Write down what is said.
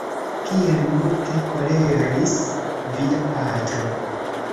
Kiel multe koleris via patro!